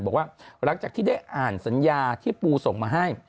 บอกว่าหลังจากที่ได้อ่านสัญญาที่ปูส่งมาให้